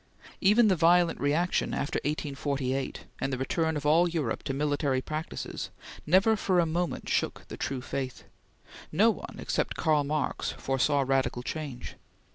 Even the violent reaction after 1848, and the return of all Europe to military practices, never for a moment shook the true faith. No one, except Karl Marx, foresaw radical change.